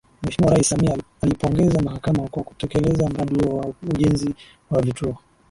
Mheshimiwa Rais Samia ameipongeza Mahakama kwa kutekeleza mradi huo wa ujenzi wa Vituo